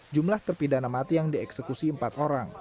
jumlah terpidana mati yang dieksekusi empat orang